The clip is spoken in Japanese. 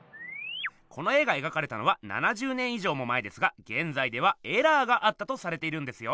この絵が描かれたのは７０年以上も前ですがげんざいではエラーがあったとされているんですよ。